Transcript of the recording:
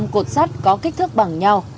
hai trăm linh cột sắt có kích thước bằng nhau